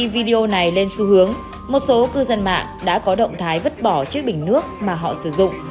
video này lên xu hướng một số cư dân mạng đã có động thái vứt bỏ chiếc bình nước mà họ sử dụng